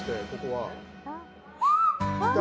あっ！